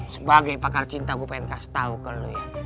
sebagai pakar cinta gue pengen kasih tau ke lo ya